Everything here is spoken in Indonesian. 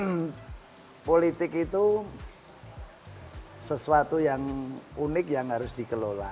karena politik itu sesuatu yang unik yang harus dikelola